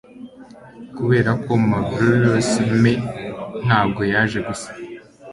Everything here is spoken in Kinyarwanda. kuberako marvelous me ntabwo yaje gusa